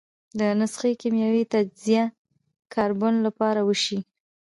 د نسخې کیمیاوي تجزیه کاربن له پاره وشي.